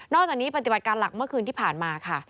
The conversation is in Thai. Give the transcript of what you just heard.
จากนี้ปฏิบัติการหลักเมื่อคืนที่ผ่านมาค่ะ